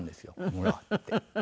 ほらって。